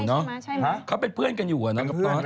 มาถึงคุยกัน